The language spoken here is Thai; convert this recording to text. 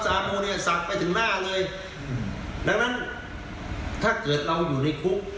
มูเนี่ยสั่งไปถึงหน้าเลยดังนั้นถ้าเกิดเราอยู่ในคุก